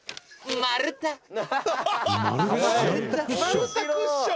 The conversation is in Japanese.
「まる太クッション？」